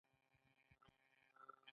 ویش په اقتصاد کې څه ته وايي؟